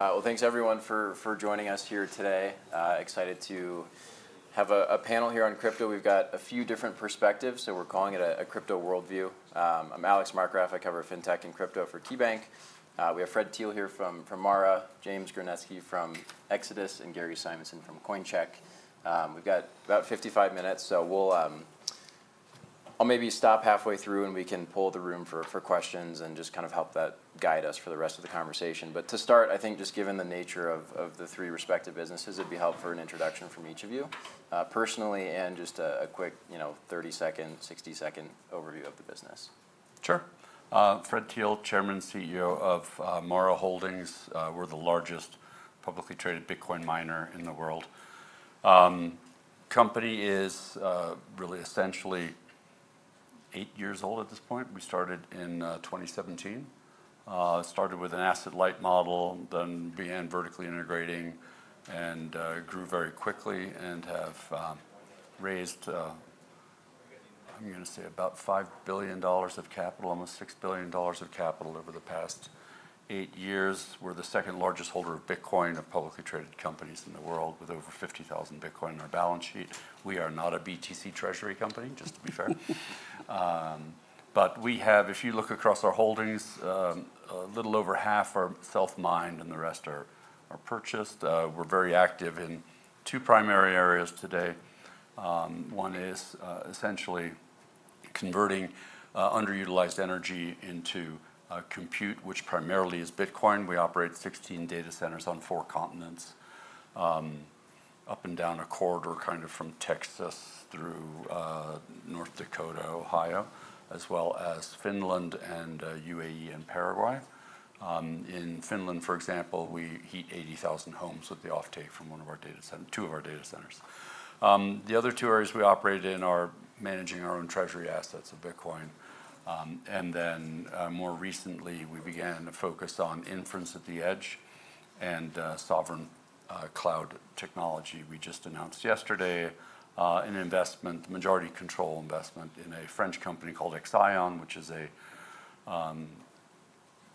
Thank you everyone for joining us here today. Excited to have a panel here on crypto. We've got a few different perspectives, so we're calling it a crypto worldview. I'm Alex Markgraf. I cover fintech and crypto for KeyBanc. We have Fred Thiel here from MARA, James Gernetzke from Exodus, and Gary Simonson from Coincheck. We've got about 55 minutes. I'll maybe stop halfway through and we can poll the room for questions and just kind of help that guide us for the rest of the conversation. To start, I think just given the nature of the three respective businesses, it'd be helpful for an introduction from each of you personally and just a quick, you know, 30 second, 60 second overview of the business. Sure. Fred Thiel, Chairman and CEO of MARA Holdings. We're the largest publicly traded Bitcoin miner in the world. The company is really essentially eight years old at this point. We started in 2017. Started with an asset light model, then began vertically integrating and grew very quickly and have raised, I'm going to say, about $5 billion of capital, almost $6 billion of capital over the past eight years. We're the second largest holder of Bitcoin of publicly traded companies in the world with over 50,000 Bitcoin on our balance sheet. We are not a BTC treasury company, just to be fair, but we have, if you look across our holdings, a little over half are self-mined and the rest are purchased. We're very active in two primary areas today. One is essentially converting underutilized energy into compute, which primarily is Bitcoin. We operate 16 data centers on four continents, up and down a corridor, kind of from Texas through North Dakota, Ohio, as well as Finland, UAE, and Paraguay. In Finland, for example, we heat 80,000 homes with the offtake from one of our data centers, two of our data centers. The other two areas we operate in are managing our own treasury assets of Bitcoin, and then, more recently, we began to focus on inference at the edge and sovereign cloud technology. We just announced yesterday an investment, the majority control investment in a French company called Exiaon, which is a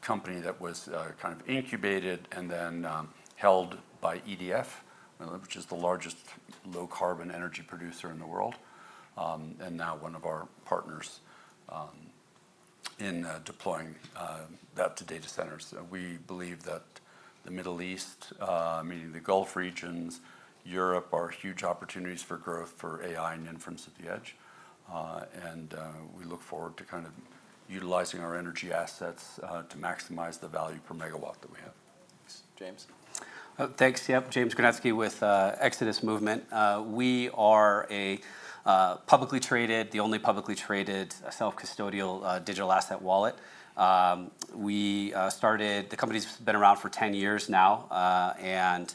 company that was kind of incubated and then held by EDF, which is the largest low carbon energy producer in the world and now one of our partners in deploying that to data centers. We believe that the Middle East, meaning the Gulf regions, and Europe are huge opportunities for growth for AI and inference at the edge. We look forward to kind of utilizing our energy assets to maximize the value per megawatt that we have. Thanks, James. Thanks. Yep. James Gernetzke with Exodus Movement. We are the only publicly traded self-custodial digital asset wallet. The company's been around for 10 years now, and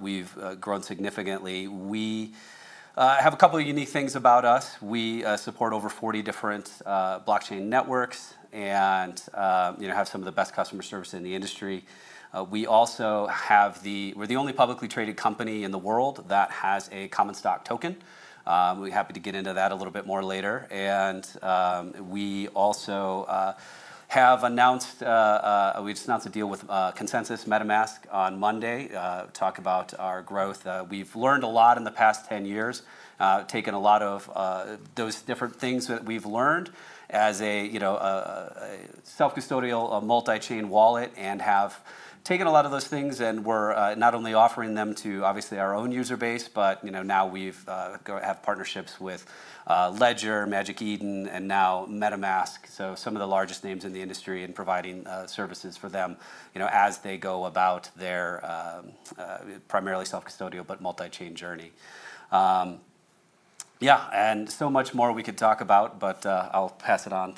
we've grown significantly. We have a couple of unique things about us. We support over 40 different blockchain networks and have some of the best customer service in the industry. We're the only publicly traded company in the world that has a common stock token. We're happy to get into that a little bit more later. We just announced a deal with Consensys MetaMask on Monday. Talking about our growth, we've learned a lot in the past 10 years, taken a lot of those different things that we've learned as a self-custodial, multi-chain wallet and have taken a lot of those things and we're not only offering them to obviously our own user base, but now we have partnerships with Ledger, Magic Eden, and now MetaMask. Some of the largest names in the industry and providing services for them as they go about their primarily self-custodial, but multi-chain journey. Yeah, and so much more we could talk about, but I'll pass it on.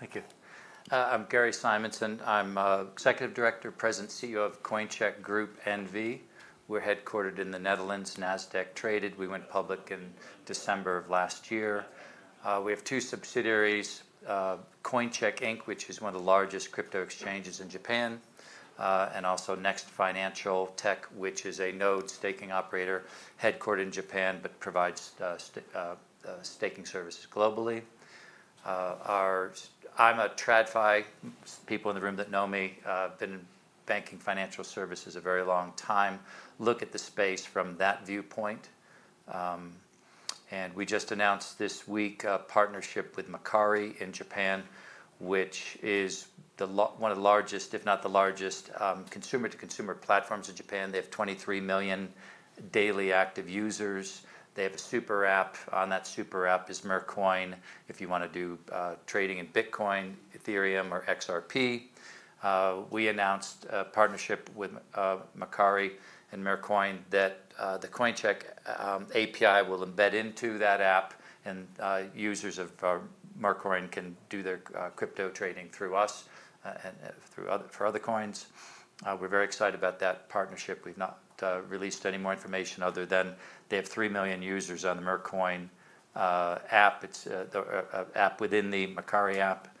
Thank you. I'm Gary Simonson. I'm Executive Director, President and CEO of Coincheck Group NV. We're headquartered in the Netherlands, Nasdaq traded. We went public in December of last year. We have two subsidiaries, Coincheck Inc., which is one of the largest crypto exchanges in Japan, and also Next Financial Tech, which is a node staking operator headquartered in Japan but provides staking services globally. I'm a TradFi, people in the room that know me, been in banking financial services a very long time. I look at the space from that viewpoint. We just announced this week a partnership with Mercari in Japan, which is one of the largest, if not the largest, consumer-to-consumer platforms in Japan. They have 23 million daily active users. They have a super app, and that super app is Mercoin. If you want to do trading in Bitcoin, Ethereum, or XRP, we announced a partnership with Mercari and Mercoin that the Coincheck API will embed into that app and users of Mercoin can do their crypto trading through us and for other coins. We're very excited about that partnership. We've not released any more information other than they have 3 million users on the Mercoin app. It's the app within the Mercari app.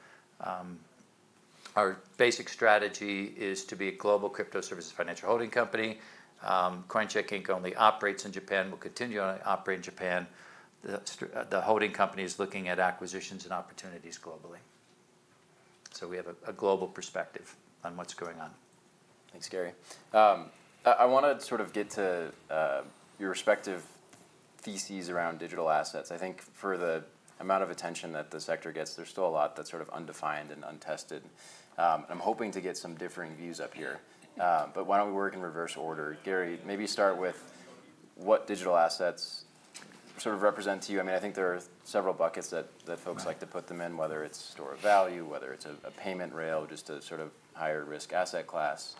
Our basic strategy is to be a global crypto services financial holding company. Coincheck Inc. only operates in Japan. We'll continue to operate in Japan. The holding company is looking at acquisitions and opportunities globally. We have a global perspective on what's going on. Thanks, Gary. I want to sort of get to your respective theses around digital assets. I think for the amount of attention that the sector gets, there's still a lot that's sort of undefined and untested. I'm hoping to get some differing views up here. Why don't we work in reverse order? Gary, maybe start with what digital assets sort of represent to you. I mean, I think there are several buckets that folks like to put them in, whether it's store of value, whether it's a payment rail, or just a sort of higher risk asset class.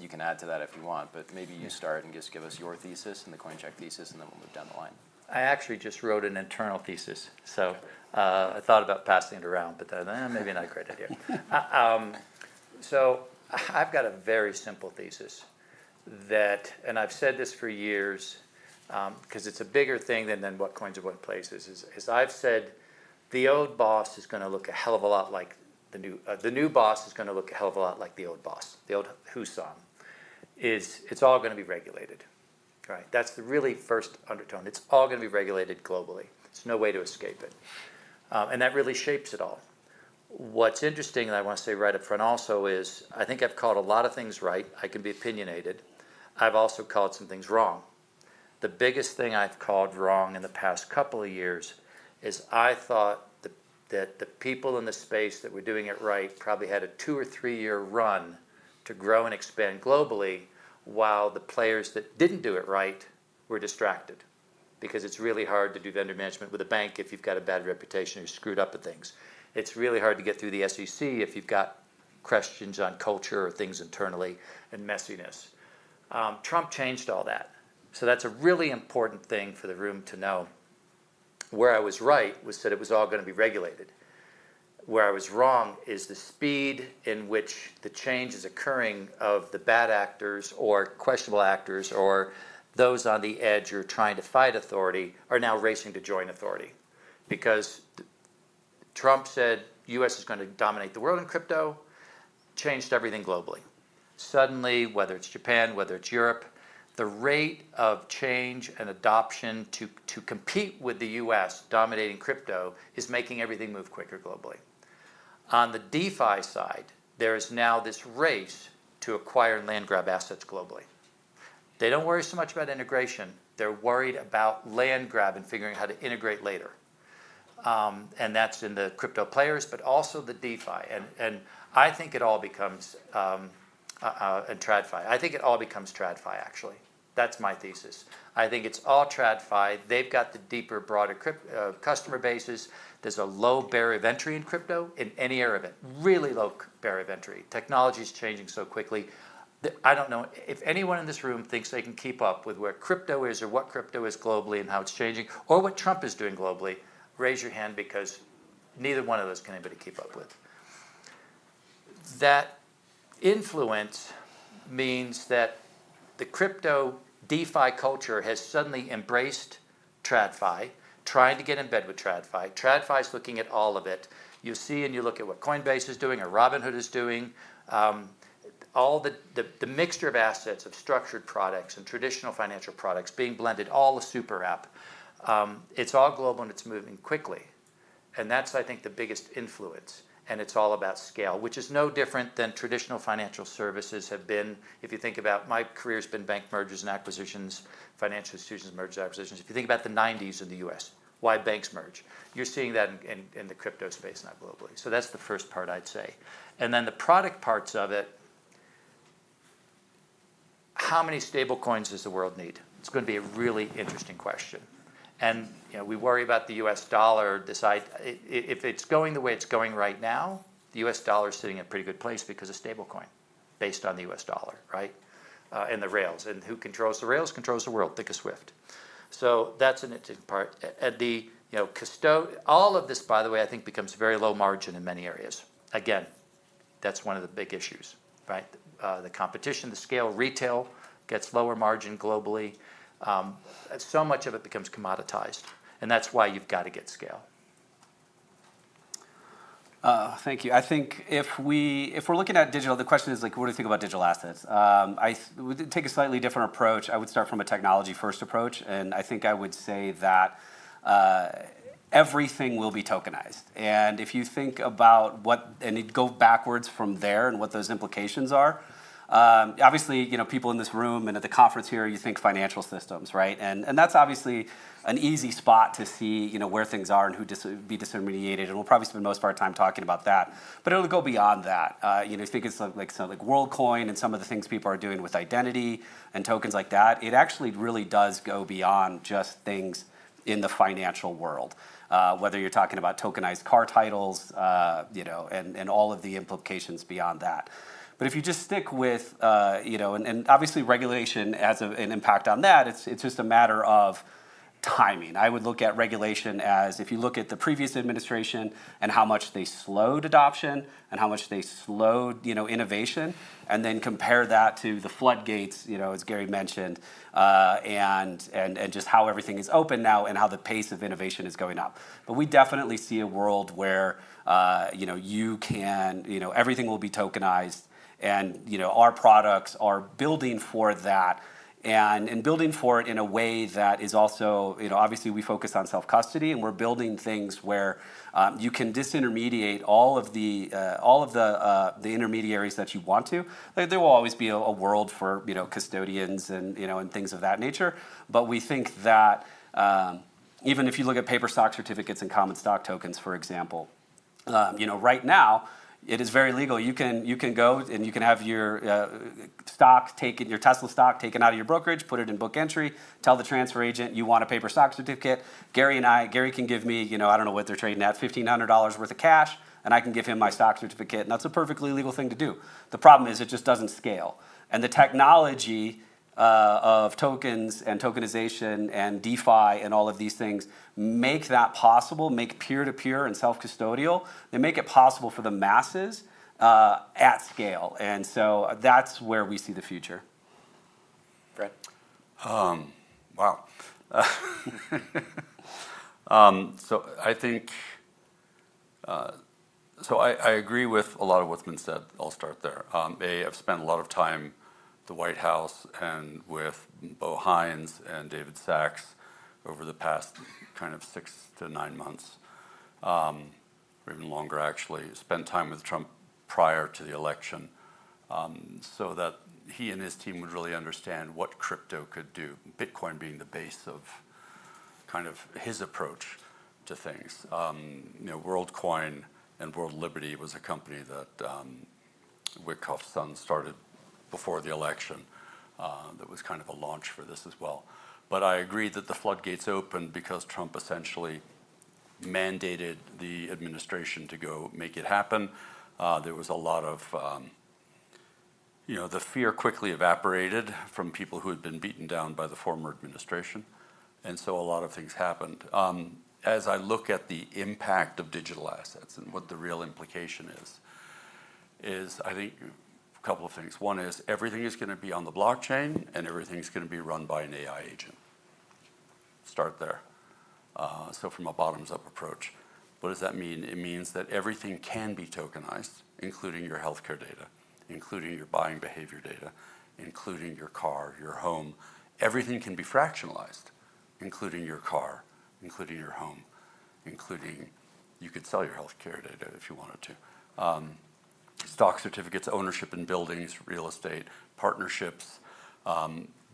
You can add to that if you want, but maybe you start and just give us your thesis and the Coincheck thesis, and then we'll move down the line. I actually just wrote an internal thesis. I thought about passing it around, but then maybe not a great idea. I've got a very simple thesis, and I've said this for years, because it's a bigger thing than what coins are going places. I've said the old boss is going to look a hell of a lot like the new, the new boss is going to look a hell of a lot like the old boss. The old truth is it's all going to be regulated, right? That's the really first undertone. It's all going to be regulated globally. There's no way to escape it, and that really shapes it all. What's interesting, and I want to say right up front also, is I think I've called a lot of things right. I can be opinionated. I've also called some things wrong. The biggest thing I've called wrong in the past couple of years is I thought that the people in the space that were doing it right probably had a two or three-year run to grow and expand globally while the players that didn't do it right were distracted. It's really hard to do vendor management with a bank if you've got a bad reputation or you're screwed up with things. It's really hard to get through the SEC if you've got questions on culture or things internally and messiness. Trump changed all that. That's a really important thing for the room to know. Where I was right was that it was all going to be regulated. Where I was wrong is the speed in which the change is occurring of the bad actors or questionable actors or those on the edge who are trying to fight authority are now racing to join authority. Trump said the U.S. is going to dominate the world in crypto, changed everything globally. Suddenly, whether it's Japan, whether it's Europe, the rate of change and adoption to compete with the U.S. dominating crypto is making everything move quicker globally. On the DeFi side, there is now this race to acquire and landgrab assets globally. They don't worry so much about integration. They're worried about landgrab and figuring out how to integrate later, and that's in the crypto players, but also the DeFi. I think it all becomes, and TradFi. I think it all becomes TradFi, actually. That's my thesis. I think it's all TradFi. They've got the deeper, broader customer bases. There's a low barrier of entry in crypto in any area of it. Really low barrier of entry. Technology is changing so quickly. I don't know if anyone in this room thinks they can keep up with where crypto is or what crypto is globally and how it's changing or what Trump is doing globally. Raise your hand because neither one of those can anybody keep up with. That influence means that the crypto DeFi culture has suddenly embraced TradFi, tried to get in bed with TradFi. TradFi is looking at all of it. You see, you look at what Coinbase is doing, or Robinhood is doing, all the mixture of assets of structured products and traditional financial products being blended, all the super app. It's all global and it's moving quickly. I think that's the biggest influence. It's all about scale, which is no different than traditional financial services have been. If you think about my career has been bank mergers and acquisitions, financial institutions, mergers, acquisitions. If you think about the 1990s in the U.S., why banks merge, you're seeing that in the crypto space now globally. That's the first part I'd say. Then the product parts of it, how many stablecoins does the world need? It's going to be a really interesting question. You know, we worry about the U.S. dollar decide, if it's going the way it's going right now, the U.S. dollar is sitting in a pretty good place because it's a stablecoin based on the U.S. dollar, right? The rails, and who controls the rails controls the world, pick a SWIFT. That's an interesting part. You know, custody, all of this, by the way, I think becomes very low margin in many areas. Again, that's one of the big issues, right? The competition, the scale, retail gets lower margin globally. So much of it becomes commoditized. That's why you've got to get scale. Thank you. I think if we're looking at digital, the question is like, what do you think about digital assets? I would take a slightly different approach. I would start from a technology-first approach. I think I would say that everything will be tokenized. If you think about what, and it goes backwards from there and what those implications are, obviously, you know, people in this room and at the conference here, you think financial systems, right? That's obviously an easy spot to see where things are and who will be disintermediated. We'll probably spend the most part of time talking about that. It will go beyond that. I think it's like Worldcoin and some of the things people are doing with identity and tokens like that. It actually really does go beyond just things in the financial world, whether you're talking about tokenized car titles and all of the implications beyond that. If you just stick with, you know, and obviously regulation has an impact on that. It's just a matter of timing. I would look at regulation as if you look at the previous administration and how much they slowed adoption and how much they slowed innovation, and then compare that to the floodgates, as Gary mentioned, and just how everything is open now and how the pace of innovation is going up. We definitely see a world where you can, you know, everything will be tokenized and our products are building for that and building for it in a way that is also, you know, obviously we focus on self-custody and we're building things where you can disintermediate all of the intermediaries that you want to. There will always be a world for custodians and things of that nature. We think that even if you look at paper stock certificates and common stock tokens, for example, right now it is very legal. You can go and you can have your stock taken, your Tesla stock taken out of your brokerage, put it in book entry, tell the transfer agent you want a paper stock certificate. Gary and I, Gary can give me, I don't know what they're trading at, $1,500 worth of cash, and I can give him my stock certificate. That's a perfectly legal thing to do. The problem is it just doesn't scale. The technology of tokens and tokenization and DeFi and all of these things make that possible, make peer-to-peer and self-custodial and make it possible for the masses at scale. That's where we see the future. Fred? I agree with a lot of what's been said. I'll start there. They have spent a lot of time at the White House and with Beau Haines and David Sacks over the past six to nine months, or even longer, actually spent time with Trump prior to the election, so that he and his team would really understand what crypto could do, Bitcoin being the base of his approach to things. Worldcoin and World Liberty was a company that Wyckoff's son started before the election, that was a launch for this as well. I agree that the floodgates opened because Trump essentially mandated the administration to go make it happen. The fear quickly evaporated from people who had been beaten down by the former administration, and a lot of things happened. As I look at the impact of digital assets and what the real implication is, I think a couple of things. One is everything is going to be on the blockchain and everything's going to be run by an AI agent. From a bottoms-up approach, what does that mean? It means that everything can be tokenized, including your healthcare data, including your buying behavior data, including your car, your home. Everything can be fractionalized, including your car, including your home, including you could sell your healthcare data if you wanted to. Stock certificates, ownership in buildings, real estate, partnerships.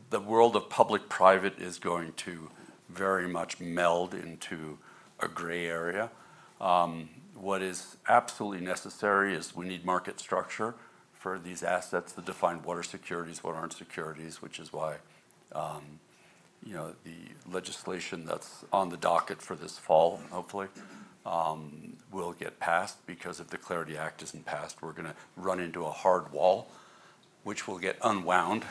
The world of public-private is going to very much meld into a gray area. What is absolutely necessary is we need market structure for these assets to define what are securities, what aren't securities, which is why the legislation that's on the docket for this fall, hopefully, will get passed because if the Clarity Act isn't passed, we're going to run into a hard wall, which will get unwound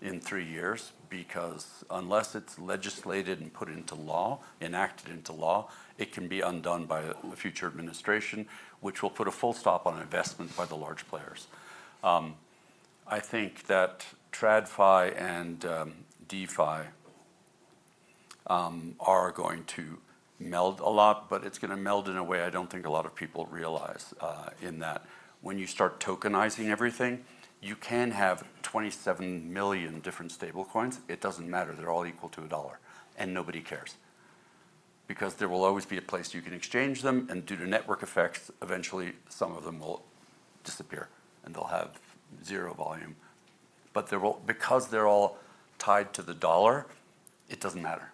in three years because unless it's legislated and put into law, enacted into law, it can be undone by a future administration, which will put a full stop on investment by the large players. I think that TradFi and DeFi are going to meld a lot, but it's going to meld in a way I don't think a lot of people realize, in that when you start tokenizing everything, you can have 27 million different stablecoins. It doesn't matter. They're all equal to a dollar and nobody cares because there will always be a place you can exchange them and due to network effects, eventually some of them will disappear and they'll have zero volume. There will, because they're all tied to the dollar, it doesn't matter,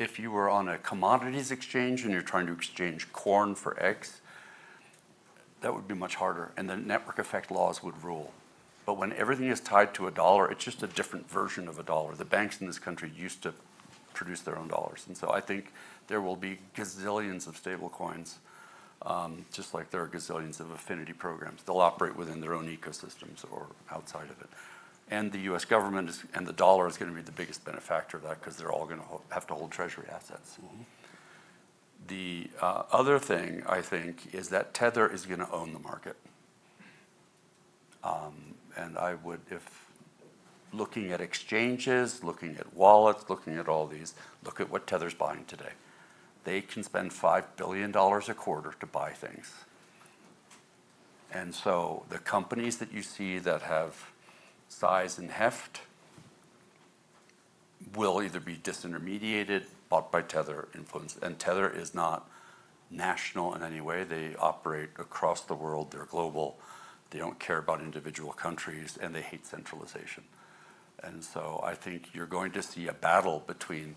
right? If you were on a commodities exchange and you're trying to exchange corn for X, that would be much harder and the network effect laws would rule. When everything is tied to a dollar, it's just a different version of a dollar. The banks in this country used to produce their own dollars. I think there will be gazillions of stablecoins, just like there are gazillions of affinity programs. They'll operate within their own ecosystems or outside of it. The U.S. government is, and the dollar is going to be the biggest benefactor of that because they're all going to have to hold treasury assets. The other thing I think is that Tether is going to own the market. If looking at exchanges, looking at wallets, looking at all these, look at what Tether's buying today. They can spend $5 billion a quarter to buy things. The companies that you see that have size and heft will either be disintermediated, bought by Tether influence, and Tether is not national in any way. They operate across the world. They're global. They don't care about individual countries and they hate centralization. I think you're going to see a battle between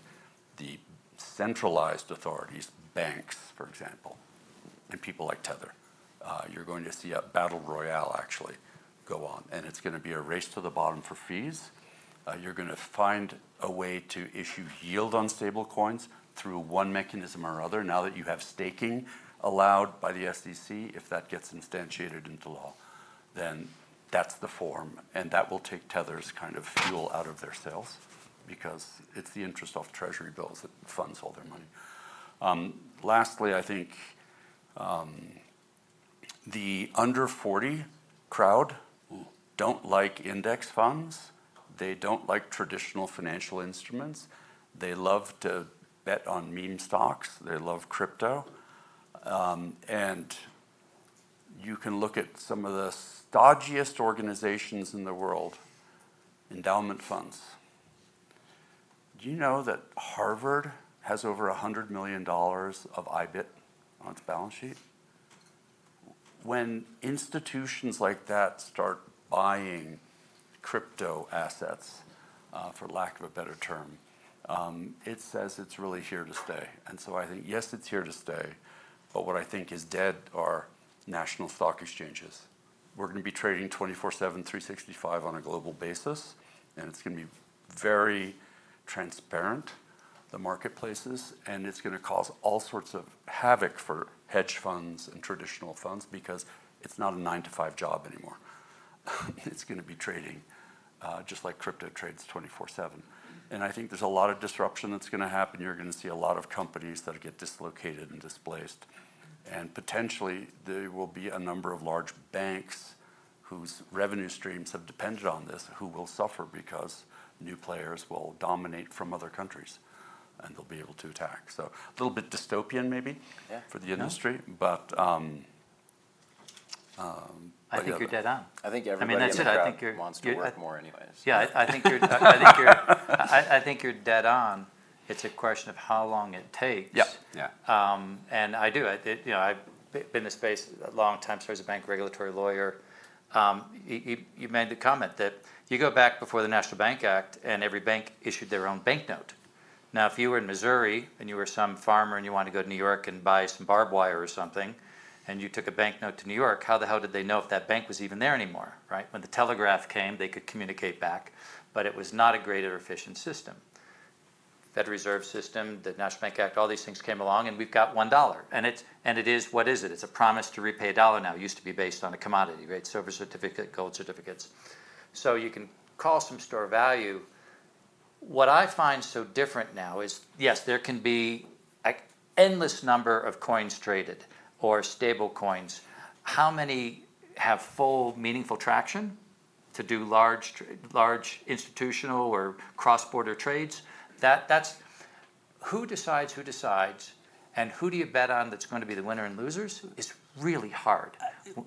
the centralized authorities, banks, for example, and people like Tether. You're going to see a battle royale actually go on and it's going to be a race to the bottom for fees. You're going to find a way to issue yield on stablecoins through one mechanism or another. Now that you have staking allowed by the SEC, if that gets instantiated into law, then that's the form and that will take Tether's kind of fuel out of their sails because it's the interest off treasury bills that funds all their money. Lastly, I think the under 40 crowd who don't like index funds, they don't like traditional financial instruments. They love to bet on meme stocks. They love crypto. You can look at some of the stodgiest organizations in the world, endowment funds. Do you know that Harvard has over $100 million of IBIT on its balance sheet? When institutions like that start buying crypto assets, for lack of a better term, it says it's really here to stay. I think, yes, it's here to stay, but what I think is dead are national stock exchanges. We're going to be trading 24/7, 365 on a global basis, and it's going to be very transparent, the marketplaces, and it's going to cause all sorts of havoc for hedge funds and traditional funds because it's not a nine to five job anymore. It's going to be trading just like crypto trades 24/7. I think there's a lot of disruption that's going to happen. You're going to see a lot of companies that get dislocated and displaced, and potentially there will be a number of large banks whose revenue streams have depended on this who will suffer because new players will dominate from other countries and they'll be able to attack. A little bit dystopian maybe for the industry, but I think you're dead on. I think everyone wants to get more anyway. Yeah, I think you're dead on. It's a question of how long it takes. I do, you know, I've been in this space a long time. As a bank regulatory lawyer, you made the comment that you go back before the National Bank Act and every bank issued their own bank note. Now, if you were in Missouri and you were some farmer and you wanted to go to New York and buy some barbwire or something and you took a bank note to New York, how the hell did they know if that bank was even there anymore, right? When the telegraph came, they could communicate back, but it was not a greater efficient system. Federal Reserve system, the National Bank Act, all these things came along and we've got one dollar. What is it? It's a promise to repay a dollar now. It used to be based on a commodity, right? Silver certificate, gold certificates. You can call some store value. What I find so different now is, yes, there can be an endless number of coins traded or stablecoins. How many have full meaningful traction to do large, large institutional or cross-border trades? That's who decides, who decides and who do you bet on that's going to be the winner and losers is really hard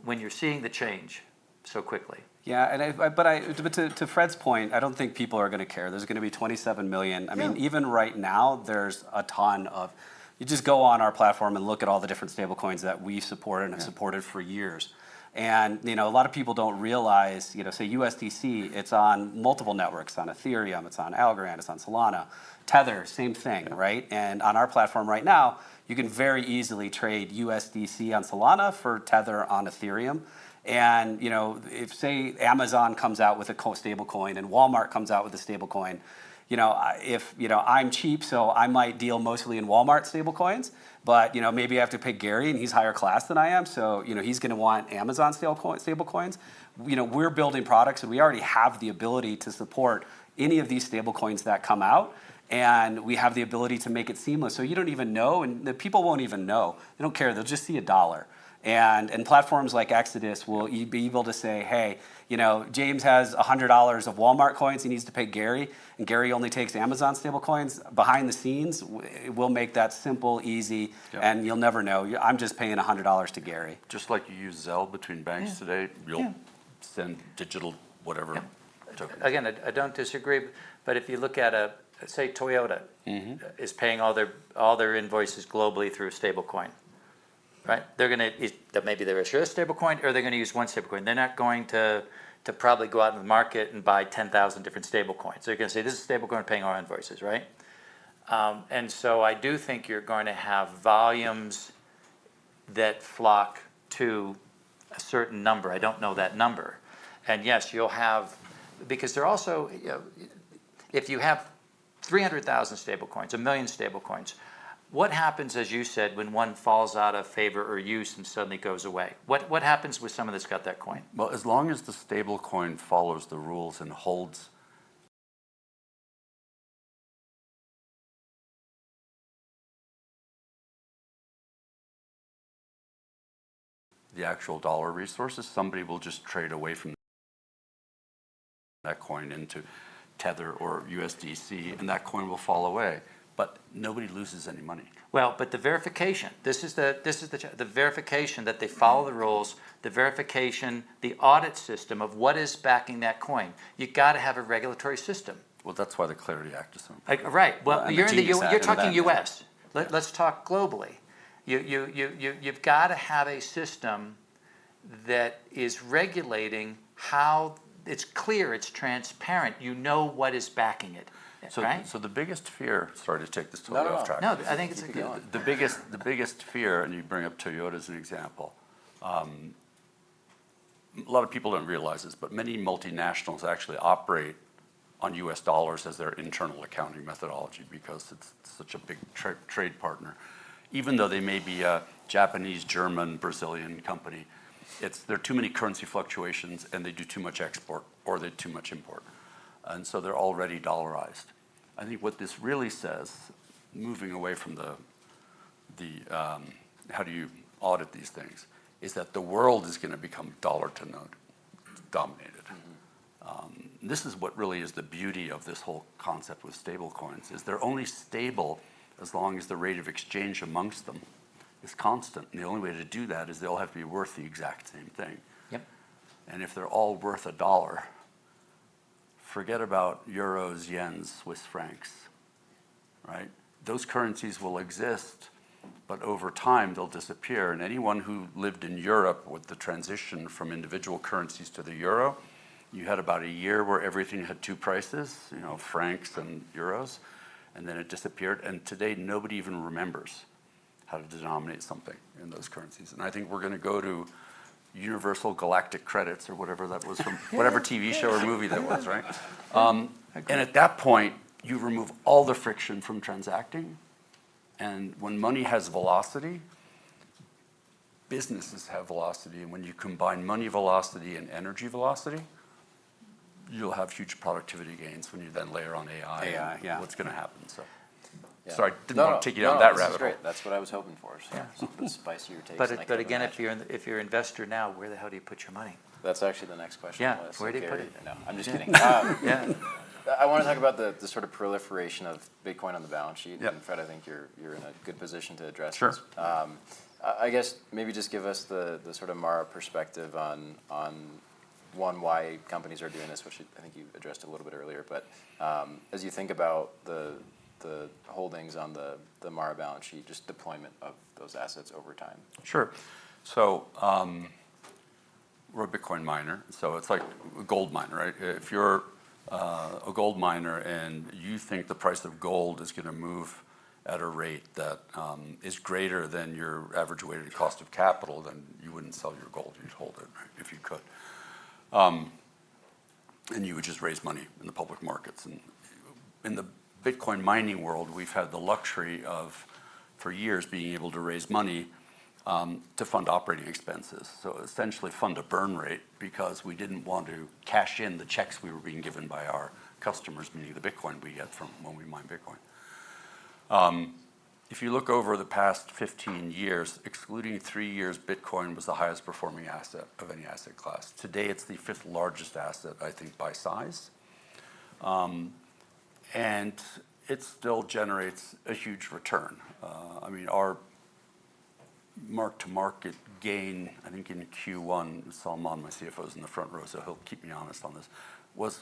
when you're seeing the change so quickly. Yeah, but to Fred's point, I don't think people are going to care. There's going to be 27 million. Even right now there's a ton of, you just go on our platform and look at all the different stablecoins that we support and have supported for years. A lot of people don't realize, say USDC, it's on multiple networks. It's on Ethereum, it's on Algorand, it's on Solana. Tether, same thing, right? On our platform right now, you can very easily trade USDC on Solana for Tether on Ethereum. If, say, Amazon comes out with a stablecoin and Walmart comes out with a stablecoin, if, you know, I'm cheap, so I might deal mostly in Walmart stablecoins, but maybe I have to pick Gary and he's higher class than I am, so he's going to want Amazon stablecoins. We're building products and we already have the ability to support any of these stablecoins that come out and we have the ability to make it seamless. You don't even know, and the people won't even know. They don't care. They'll just see a dollar. Platforms like Exodus will be able to say, "Hey, you know, James has $100 of Walmart coins. He needs to pay Gary." Gary only takes Amazon stablecoins. Behind the scenes, we'll make that simple, easy, and you'll never know. I'm just paying $100 to Gary. Just like you use Zelle between banks today, you'll send digital whatever. Again, I don't disagree, but if you look at, say, Toyota is paying all their invoices globally through a stablecoin, right? They're going to, maybe they're going to show a stablecoin or they're going to use one stablecoin. They're not going to probably go out in the market and buy 10,000 different stablecoins. You're going to say this is a stablecoin paying our invoices, right? I do think you're going to have volumes that flock to a certain number. I don't know that number. Yes, you'll have, because they're also, you know, if you have 300,000 stablecoins, a million stablecoins, what happens, as you said, when one falls out of favor or use and suddenly goes away? What happens with someone that's got that coin? As long as the stablecoin follows the rules and holds the actual dollar resources, somebody will just trade away from that coin into Tether or USDC, and that coin will fall away. Nobody loses any money. The verification, this is the verification that they follow the rules, the verification, the audit system of what is backing that coin. You've got to have a regulatory system. That's why the Clarity Act is something. Right. You're talking U.S. Let's talk globally. You've got to have a system that is regulating how it's clear, it's transparent, you know what is backing it. The biggest fear, sorry to take this to a ghost track. No, I think it's good. The biggest fear, and you bring up Toyota as an example, a lot of people don't realize this, but many multinationals actually operate on U.S. dollars as their internal accounting methodology because it's such a big trade partner. Even though they may be a Japanese, German, Brazilian company, there are too many currency fluctuations and they do too much export or they do too much import, so they're already dollarized. I think what this really says, moving away from how do you audit these things, is that the world is going to become dollar dominated. This is what really is the beauty of this whole concept with stablecoins, is they're only stable as long as the rate of exchange amongst them is constant. The only way to do that is they'll have to be worth the exact same thing. Yep. If they're all worth a dollar, forget about euros, yens, Swiss francs, right? Those currencies will exist, but over time they'll disappear. Anyone who lived in Europe with the transition from individual currencies to the euro, you had about a year where everything had two prices, you know, francs and euros, and then it disappeared. Today nobody even remembers how to denominate something in those currencies. I think we're going to go to universal galactic credits or whatever that was from whatever TV show or movie that was, right? At that point, you remove all the friction from transacting. When money has velocity, businesses have velocity. When you combine money velocity and energy velocity, you'll have future productivity gains when you then layer on AI and what's going to happen. I didn't want to take it down that route. That's great. That's what I was hoping for. It's a spicier taste of it. Again, if you're an investor now, where the hell do you put your money? That's actually the next question. Yeah, where do you put it? No, I'm just kidding. Yeah. I want to talk about the sort of proliferation of Bitcoin on the balance sheet. Fred, I think you're in a good position to address this. I guess maybe just give us the sort of MARA perspective on one, why companies are doing this, which I think you addressed a little bit earlier. As you think about the holdings on the MARA balance sheet, just deployment of those assets over time. Sure. We're a Bitcoin miner. It's like a gold miner, right? If you're a gold miner and you think the price of gold is going to move at a rate that is greater than your average weighted cost of capital, then you wouldn't sell your gold. You'd hold it if you could, and you would just raise money in the public markets. In the Bitcoin mining world, we've had the luxury of, for years, being able to raise money to fund operating expenses, essentially fund a burn rate because we didn't want to cash in the checks we were being given by our customers, meaning the Bitcoin we get from when we mine Bitcoin. If you look over the past 15 years, excluding three years, Bitcoin was the highest performing asset of any asset class. Today, it's the fifth largest asset, I think, by size, and it still generates a huge return. I mean, our mark-to-market gain, I think in Q1, Salman, my CFO's in the front row, so he'll keep me honest on this, was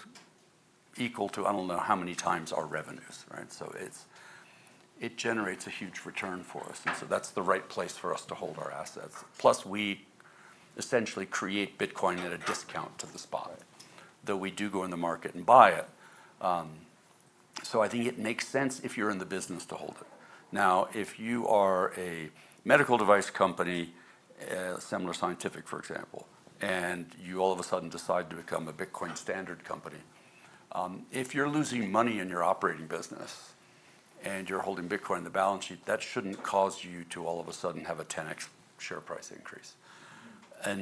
equal to, I don't know how many times our revenues, right? It generates a huge return for us, and that's the right place for us to hold our assets. Plus, we essentially create Bitcoin at a discount to the spot, though we do go in the market and buy it. I think it makes sense if you're in the business to hold it. Now, if you are a medical device company, Semler Scientific, for example, and you all of a sudden decide to become a Bitcoin standard company, if you're losing money in your operating business and you're holding Bitcoin in the balance sheet, that shouldn't cause you to all of a sudden have a 10x share price increase.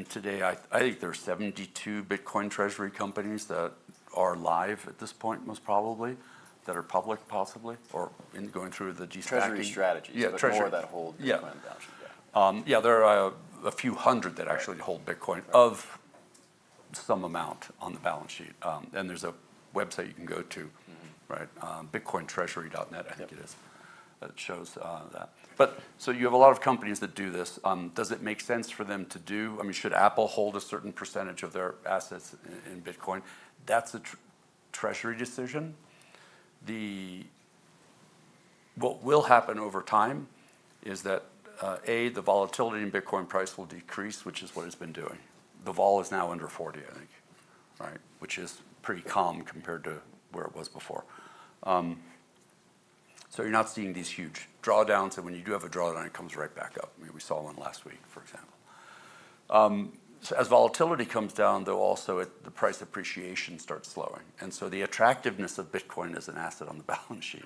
Today, I think there are 72 Bitcoin treasury companies that are live at this point, most probably, that are public, possibly, or going through the G-Strategy. Treasury strategy, the people that hold Bitcoin balance. Yeah, there are a few hundred that actually hold Bitcoin of some amount on the balance sheet. There's a website you can go to, right? Bitcointreasury.net, I think it is, that shows that. You have a lot of companies that do this. Does it make sense for them to do? I mean, should Apple hold a certain percentage of their assets in Bitcoin? That's a treasury decision. What will happen over time is that, A, the volatility in Bitcoin price will decrease, which is what it's been doing. The vol is now under 40, I think, right? Which is pretty calm compared to where it was before. You're not seeing these huge drawdowns, and when you do have a drawdown, it comes right back up. We saw one last week, for example. As volatility comes down, though, also the price appreciation starts slowing. The attractiveness of Bitcoin as an asset on the balance sheet,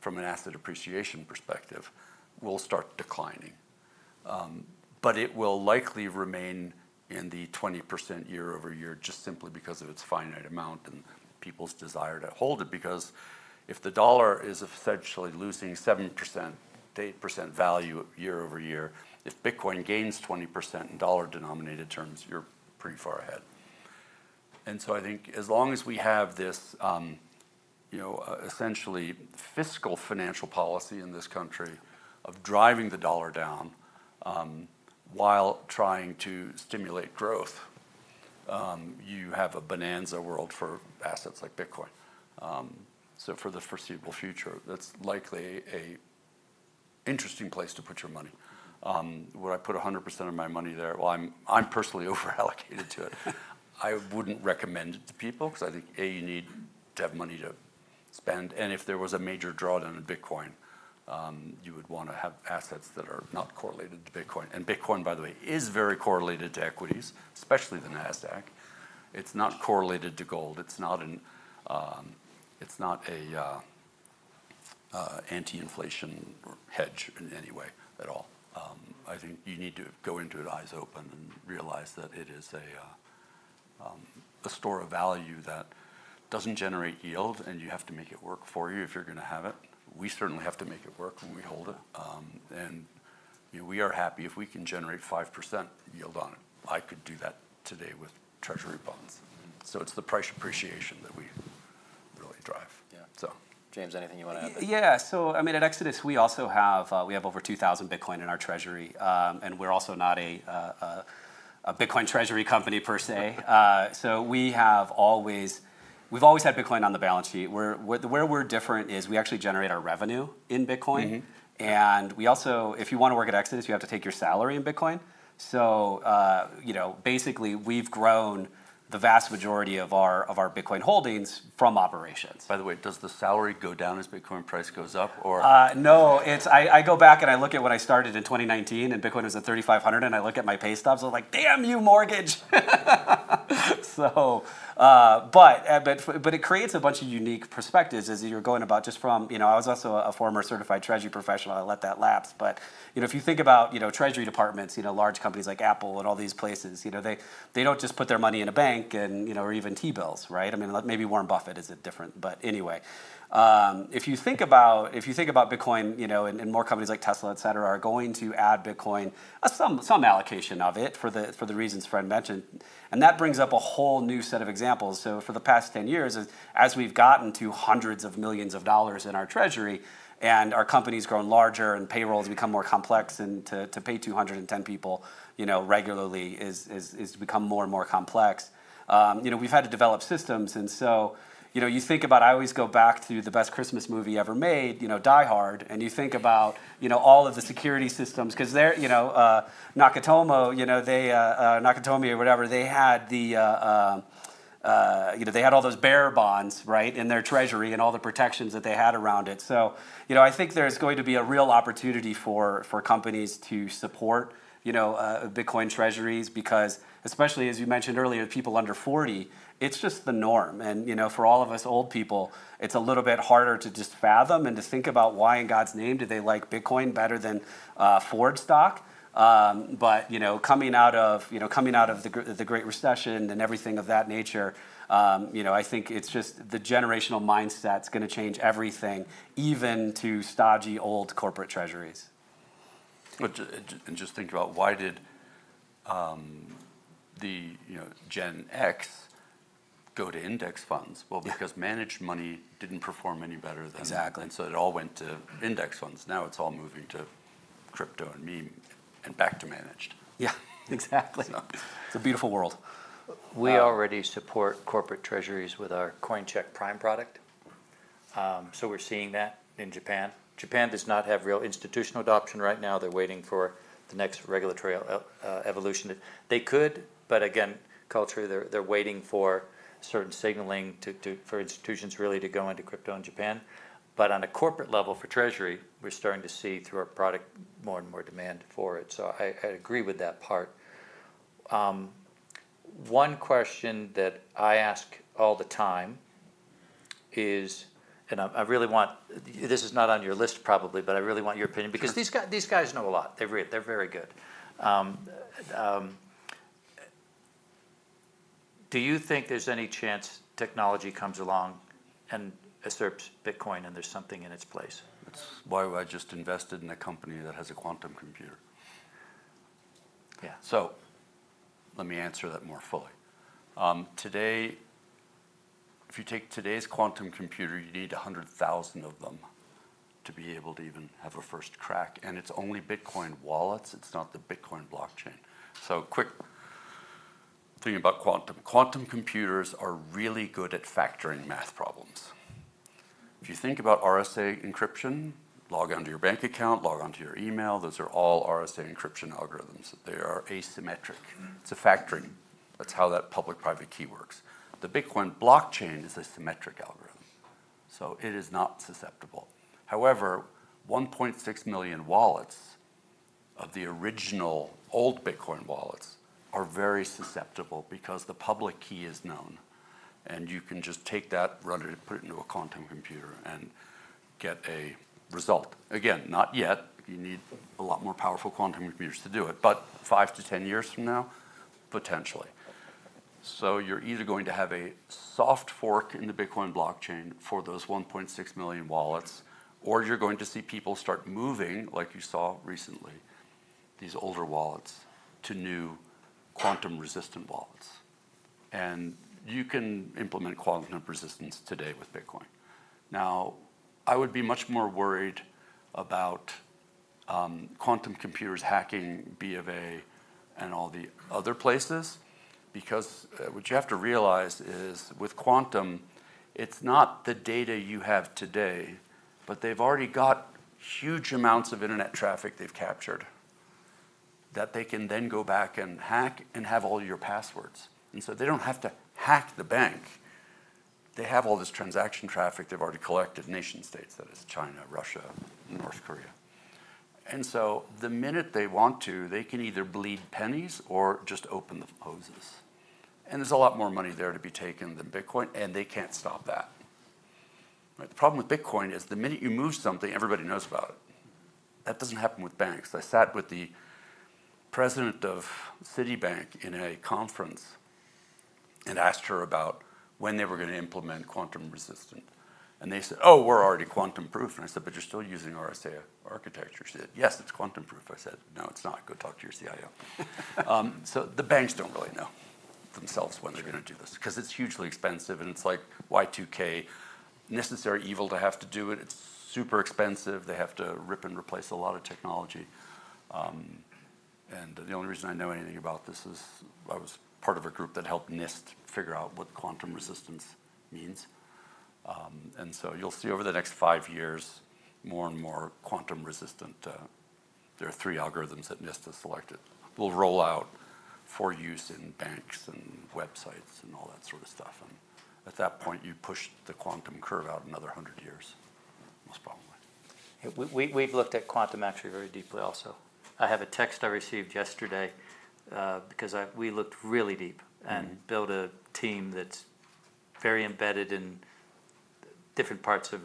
from an asset appreciation perspective, will start declining. It will likely remain in the 20% year-over-year, just simply because of its finite amount and people's desire to hold it. Because if the dollar is essentially losing 7%-8% value year-over-year, if Bitcoin gains 20% in dollar denominated terms, you're pretty far ahead. I think as long as we have this, you know, essentially fiscal financial policy in this country of driving the dollar down, while trying to stimulate growth, you have a bonanza world for assets like Bitcoin. For the foreseeable future, that's likely an interesting place to put your money. Would I put 100% of my money there? I'm personally over-allocated to it. I wouldn't recommend it to people because I think, A, you need to have money to spend. If there was a major drawdown in Bitcoin, you would want to have assets that are not correlated to Bitcoin. Bitcoin, by the way, is very correlated to equities, especially the NASDAQ. It's not correlated to gold. It's not an anti-inflation hedge in any way at all. I think you need to go into it eyes open and realize that it is a store of value that doesn't generate yield and you have to make it work for you if you're going to have it. We certainly have to make it work when we hold it. We are happy if we can generate 5% yield on it. I could do that today with treasury bonds. It's the price appreciation that we really drive. Yeah. James, anything you want to add? Yeah, at Exodus, we also have over 2,000 Bitcoin in our treasury. We're also not a Bitcoin treasury company per se. We have always had Bitcoin on the balance sheet. Where we're different is we actually generate our revenue in Bitcoin. If you want to work at Exodus, you have to take your salary in Bitcoin. Basically, we've grown the vast majority of our Bitcoin holdings from operations. By the way, does the salary go down as Bitcoin price goes up? No, it's, I go back and I look at when I started in 2019 and Bitcoin was at $3,500 and I look at my pay stubs, I'm like, damn you, mortgage. It creates a bunch of unique perspectives as you're going about just from, you know, I was also a former Certified Treasury Professional. I let that lapse. If you think about treasury departments, large companies like Apple and all these places, they don't just put their money in a bank or even T-bills, right? I mean, maybe Warren Buffett is different, but anyway, if you think about Bitcoin, and more companies like Tesla, et cetera, are going to add Bitcoin, some allocation of it for the reasons Fred mentioned. That brings up a whole new set of examples. For the past 10 years, as we've gotten to hundreds of millions of dollars in our treasury and our company's grown larger and payroll has become more complex and to pay 210 people regularly has become more and more complex. We've had to develop systems. I always go back to the best Christmas movie ever made, Die Hard, and you think about all of the security systems because there, you know, Nakatomi or whatever, they had all those bearer bonds in their treasury and all the protections that they had around it. I think there's going to be a real opportunity for companies to support Bitcoin treasuries because, especially as you mentioned earlier, people under 40, it's just the norm. For all of us old people, it's a little bit harder to just fathom and to think about why in God's name do they like Bitcoin better than Ford stock. Coming out of the Great Recession and everything of that nature, I think it's just the generational mindset that's going to change everything, even to stodgy old corporate treasuries. Just think about why did Gen X go to index funds? Because managed money didn't perform any better than. Exactly. It all went to index funds. Now it's all moving to crypto and meme and back to managed. Yeah, exactly. It's a beautiful world. We already support corporate treasuries with our Coincheck Prime product, so we're seeing that in Japan. Japan does not have real institutional adoption right now. They're waiting for the next regulatory evolution. They could, but again, culturally, they're waiting for certain signaling for institutions really to go into crypto in Japan. On a corporate level for treasury, we're starting to see through our product more and more demand for it. I agree with that part. One question that I ask all the time is, and I really want, this is not on your list probably, but I really want your opinion because these guys, these guys know a lot. They're very good. Do you think there's any chance technology comes along and usurps Bitcoin and there's something in its place? Why would I just invest in a company that has a quantum computer? Yeah. Let me answer that more fully. Today, if you take today's quantum computer, you need 100,000 of them to be able to even have a first crack, and it's only Bitcoin wallets. It's not the Bitcoin blockchain. Quick thing about quantum: quantum computers are really good at factoring math problems. If you think about RSA encryption, log onto your bank account, log onto your email, those are all RSA encryption algorithms. They are asymmetric. It's a factoring. That's how that public-private key works. The Bitcoin blockchain is a symmetric algorithm, so it is not susceptible. However, 1.6 million wallets of the original old Bitcoin wallets are very susceptible because the public key is known. You can just take that, run it, put it into a quantum computer, and get a result. Not yet. You need a lot more powerful quantum computers to do it, but five to ten years from now, potentially. You're either going to have a soft fork in the Bitcoin blockchain for those 1.6 million wallets, or you're going to see people start moving, like you saw recently, these older wallets to new quantum-resistant wallets. You can implement quantum resistance today with Bitcoin. I would be much more worried about quantum computers hacking BofA and all the other places because what you have to realize is with quantum, it's not the data you have today, but they've already got huge amounts of internet traffic they've captured that they can then go back and hack and have all your passwords. They don't have to hack the bank. They have all this transaction traffic they've already collected, nation states, that is China, Russia, North Korea. The minute they want to, they can either bleed pennies or just open the hoses. There's a lot more money there to be taken than Bitcoin, and they can't stop that. The problem with Bitcoin is the minute you move something, everybody knows about it. That doesn't happen with banks. I sat with the President of Citibank in a conference and asked her about when they were going to implement quantum resistance. She said, "Oh, we're already quantum proof." I said, "But you're still using RSA architecture." She said, "Yes, it's quantum proof." I said, "No, it's not. Go talk to your CIO." The banks don't really know themselves when they're going to do this because it's hugely expensive and it's like Y2K, necessary evil to have to do it. It's super expensive. They have to rip and replace a lot of technology, and the only reason I know anything about this is I was part of a group that helped NIST figure out what quantum resistance means. You'll see over the next five years, more and more quantum resistant—there are three algorithms that NIST has selected—will roll out for use in banks and websites and all that sort of stuff. At that point, you push the quantum curve out another 100 years, most probably. Yeah, we've looked at quantum actually very deeply also. I have a text I received yesterday, because we looked really deep and built a team that's very embedded in different parts of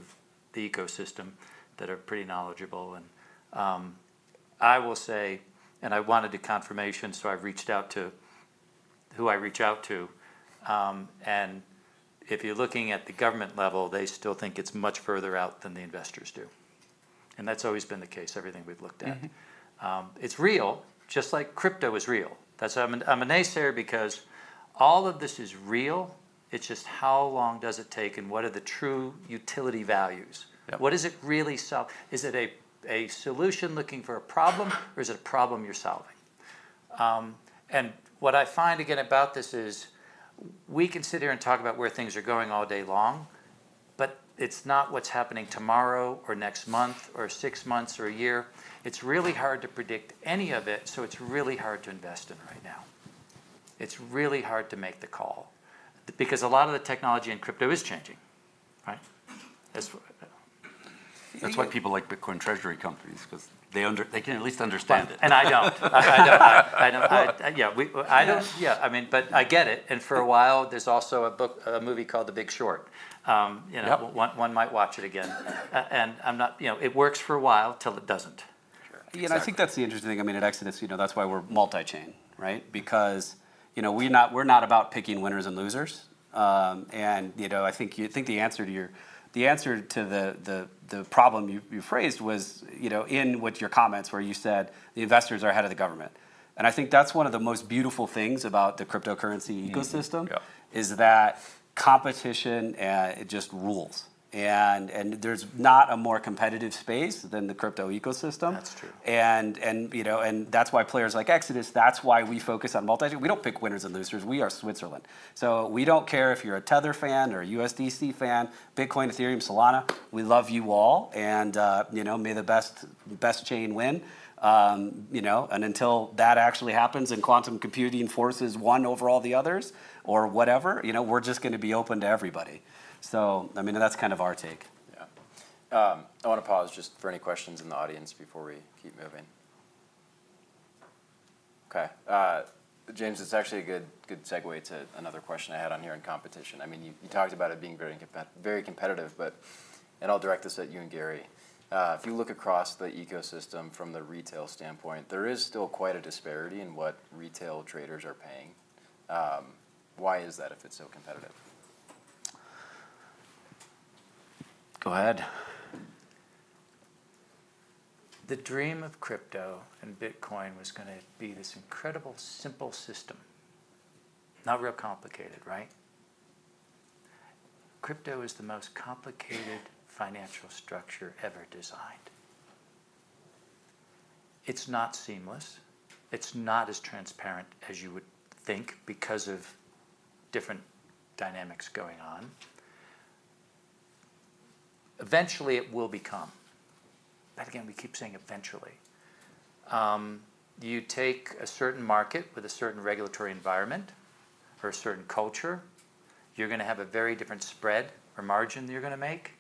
the ecosystem that are pretty knowledgeable. I will say, I wanted a confirmation, so I reached out to who I reach out to. If you're looking at the government level, they still think it's much further out than the investors do. That's always been the case. Everything we've looked at, it's real, just like crypto is real. That's why I'm a naysayer because all of this is real. It's just how long does it take and what are the true utility values? What is it really solved? Is it a solution looking for a problem, or is it a problem you're solving? What I find again about this is we can sit here and talk about where things are going all day long, but it's not what's happening tomorrow or next month or six months or a year. It's really hard to predict any of it. It's really hard to invest in right now. It's really hard to make the call because a lot of the technology in crypto is changing, right? That's why people like Bitcoin treasury companies, because they can at least understand it. I don't. I mean, I get it. For a while, there's also a book, a movie called The Big Short. You know, one might watch it again. I'm not, you know, it works for a while till it doesn't. Yeah, and I think that's the interesting thing. I mean, at Exodus, you know, that's why we're multi-chain, right? Because, you know, we're not about picking winners and losers. I think the answer to the problem you phrased was in your comments where you said the investors are ahead of the government. I think that's one of the most beautiful things about the cryptocurrency ecosystem, that competition just rules. There's not a more competitive space than the crypto ecosystem. That's true. That's why players like Exodus, that's why we focus on multi-chain. We don't pick winners and losers. We are Switzerland. We don't care if you're a Tether fan or a USDC fan, Bitcoin, Ethereum, Solana, we love you all. May the best chain win. Until that actually happens and quantum computing forces one over all the others or whatever, we're just going to be open to everybody. That's kind of our take. Yeah. I want to pause just for any questions in the audience before we keep moving. Okay. James, it's actually a good segue to another question I had on here on competition. I mean, you talked about it being very, very competitive, but I'll direct this at you and Gary. If you look across the ecosystem from the retail standpoint, there is still quite a disparity in what retail traders are paying. Why is that if it's so competitive? Go ahead. The dream of crypto and Bitcoin was going to be this incredible, simple system. Not real complicated, right? Crypto is the most complicated financial structure ever designed. It's not seamless. It's not as transparent as you would think because of different dynamics going on. Eventually, it will become. We keep saying eventually. You take a certain market with a certain regulatory environment or a certain culture. You're going to have a very different spread or margin that you're going to make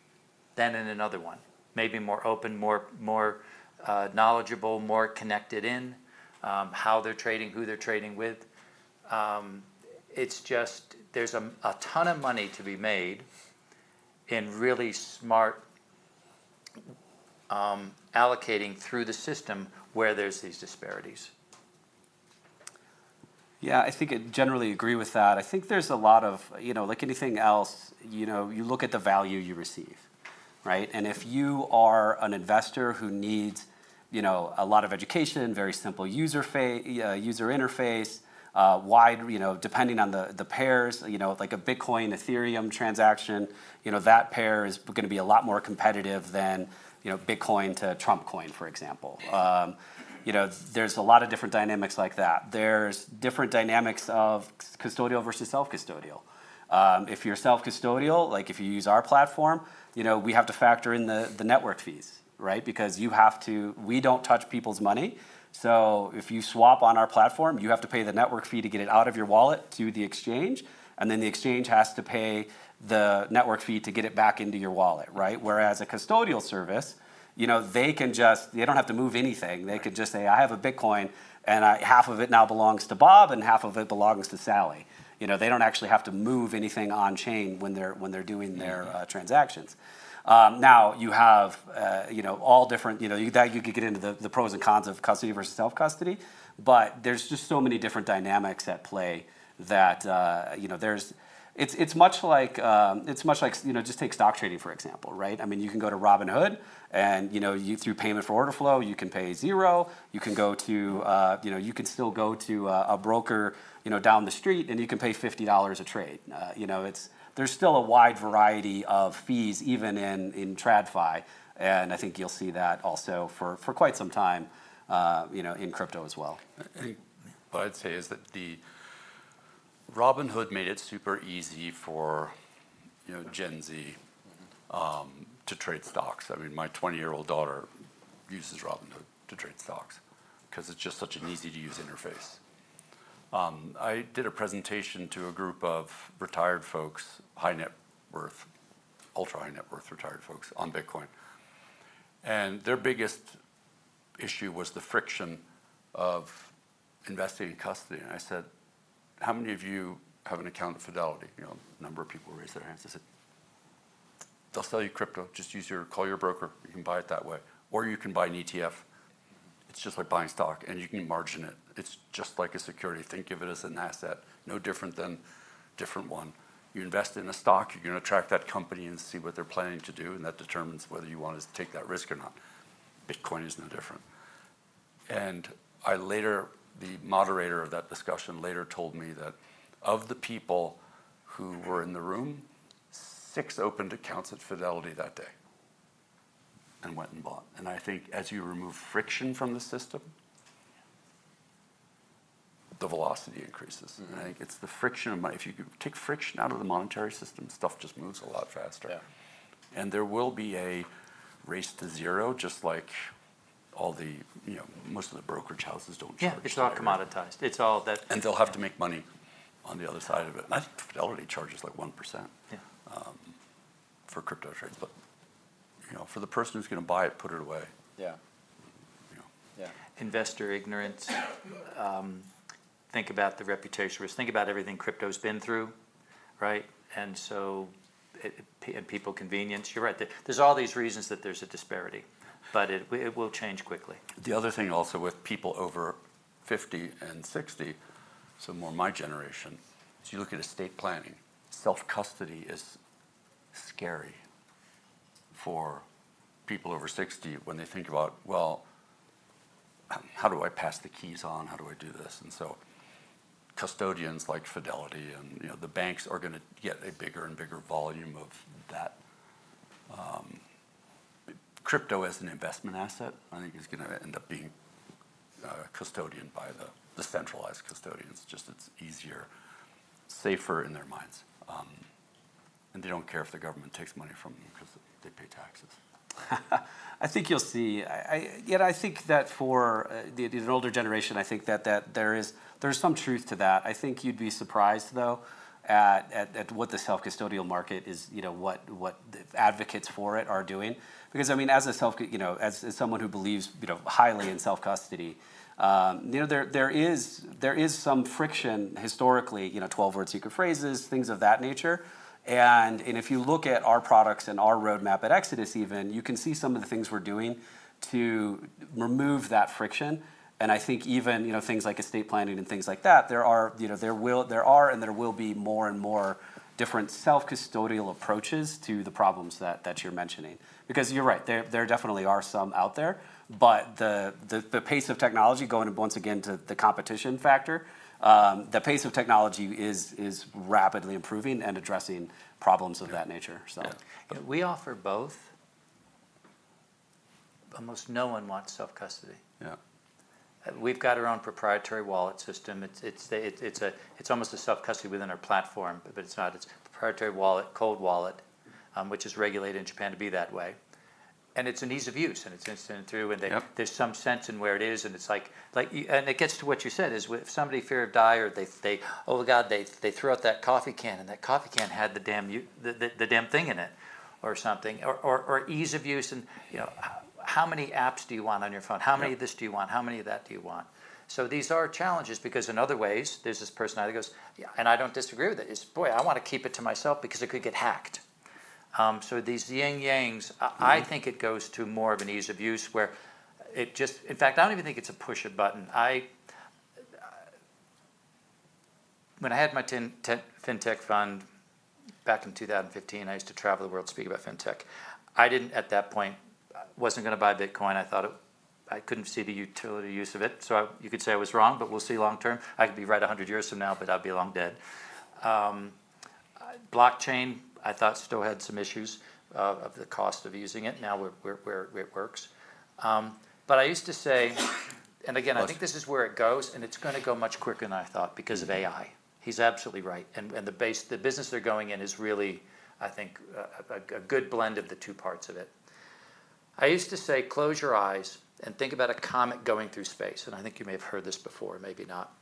than in another one. Maybe more open, more knowledgeable, more connected in how they're trading, who they're trading with. There's a ton of money to be made in really smart allocating through the system where there's these disparities. Yeah, I think I generally agree with that. I think there's a lot of, you know, like anything else, you look at the value you receive, right? If you are an investor who needs a lot of education, very simple user interface, wide, depending on the pairs, like a Bitcoin-Ethereum transaction, that pair is going to be a lot more competitive than Bitcoin to Trump coin, for example. There are a lot of different dynamics like that. There are different dynamics of custodial versus self-custodial. If you're self-custodial, like if you use our platform, we have to factor in the network fees, right? Because we don't touch people's money. If you swap on our platform, you have to pay the network fee to get it out of your wallet to the exchange, and then the exchange has to pay the network fee to get it back into your wallet, right? Whereas a custodial service, they can just, they don't have to move anything. They could just say, I have a Bitcoin and half of it now belongs to Bob and half of it belongs to Sally. They don't actually have to move anything on chain when they're doing their transactions. Now you have all different, you could get into the pros and cons of custody versus self-custody, but there are just so many different dynamics at play that it's much like, just take stock trading, for example, right? I mean, you can go to Robinhood and through payment for order flow, you can pay zero. You can still go to a broker down the street and you can pay $50 a trade. There is still a wide variety of fees even in TradFi. I think you'll see that also for quite some time in crypto as well. I think what I'd say is that Robinhood made it super easy for, you know, Gen Z, to trade stocks. I mean, my 20-year-old daughter uses Robinhood to trade stocks because it's just such an easy-to-use interface. I did a presentation to a group of retired folks, high net worth, ultra-high net worth retired folks on Bitcoin. Their biggest issue was the friction of investing in custody. I said, how many of you have an account at Fidelity? A number of people raised their hands. I said, they'll sell you crypto. Just use your, call your broker. You can buy it that way. You can buy an ETF. It's just like buying stock. You can margin it. It's just like a security. Think of it as an asset. No different than a different one. You invest in a stock. You're going to track that company and see what they're planning to do. That determines whether you want to take that risk or not. Bitcoin is no different. The moderator of that discussion later told me that of the people who were in the room, six opened accounts at Fidelity that day and went and bought. I think as you remove friction from the system, the velocity increases. I think it's the friction of money. If you could take friction out of the monetary system, stuff just moves a lot faster. There will be a race to zero, just like most of the brokerage houses don't do. Yeah, it's not commoditized. It's all that. They'll have to make money on the other side of it. I think Fidelity charges like 1% for crypto trades. For the person who's going to buy it, put it away. Yeah, investor ignorance. Think about the reputation risk. Think about everything crypto's been through, right? People, convenience. You're right, there's all these reasons that there's a disparity, but it will change quickly. The other thing also with people over 50 and 60, so more my generation, is you look at estate planning. Self-custody is scary for people over 60 when they think about how do I pass the keys on, how do I do this. Custodians like Fidelity and, you know, the banks are going to get a bigger and bigger volume of that. Crypto as an investment asset, I think, is going to end up being custodian by the centralized custodians. It's just easier, safer in their minds, and they don't care if the government takes money from them because they pay taxes. I think you'll see, for the older generation, I think that there is some truth to that. You'd be surprised though at what the self-custodial market is, what advocates for it are doing. As someone who believes highly in self-custody, there is some friction historically, 12-word secret phrases, things of that nature. If you look at our products and our roadmap at Exodus, you can see some of the things we're doing to remove that friction. I think even things like estate planning and things like that, there are and there will be more and more different self-custodial approaches to the problems that you're mentioning. You're right, there definitely are some out there, but the pace of technology, going once again to the competition factor, the pace of technology is rapidly improving and addressing problems of that nature. We offer both. Almost no one wants self-custody. Yeah. We've got our own proprietary wallet system. It's almost a self-custody within our platform, but it's not. It's a proprietary wallet, cold wallet, which is regulated in Japan to be that way. It's an ease of use. It's an instrument too, and there's some sense in where it is. It gets to what you said: if somebody feared to die or they, oh God, they threw out that coffee can and that coffee can had the damn thing in it or something, or ease of use. You know, how many apps do you want on your phone? How many of this do you want? How many of that do you want? These are challenges because in other ways, there's this person that goes, I don't disagree with it. It's, boy, I want to keep it to myself because it could get hacked. These yin yangs, I think it goes to more of an ease of use where it just, in fact, I don't even think it's a push or button. When I had my FinTech fund back in 2015, I used to travel the world to speak about FinTech. I didn't, at that point, wasn't going to buy Bitcoin. I thought I couldn't see the utility use of it. You could say I was wrong, but we'll see long term. I could be right 100 years from now, but I'd be long dead. Blockchain, I thought still had some issues, the cost of using it. Now we're, it works. I used to say, and again, I think this is where it goes and it's going to go much quicker than I thought because of AI. He's absolutely right. The business they're going in is really, I think, a good blend of the two parts of it. I used to say, close your eyes and think about a comet going through space. I think you may have heard this before, maybe not.